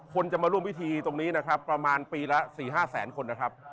คนจะมาร่วมพิธีตรงนี้นะครับประมาณปีละ๔๕แสนคนนะครับ